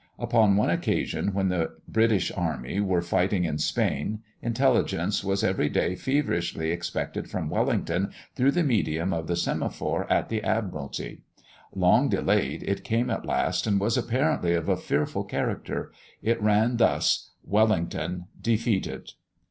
Upon one occasion, when the British army were fighting in Spain, intelligence was every day feverishly expected from Wellington through the medium of the semaphore at the Admiralty. Long delayed, it came at last, and was apparently of a fearful character. It ran thus: "Wellington defeated."